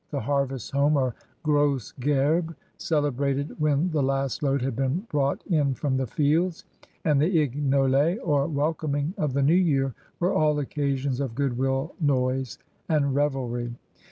The harvest home or grosse gerbe, cele brated when the last load had been brought 220 CRUSADERS OF NEW PRANCE in from the fields, and the Ignolie or welcoming of the New Year, were also occasions of goodwill, noise, and revelry.